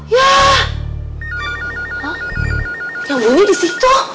yang bunyi disitu